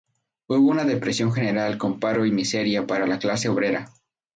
Hubo una depresión general con paro y miseria para la clase obrera.